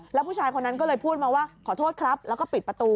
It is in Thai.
แล้วผู้ชายคนนั้นก็เลยพูดมาว่าขอโทษครับแล้วก็ปิดประตู